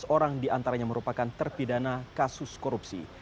tujuh belas orang diantaranya merupakan terpidana kasus korupsi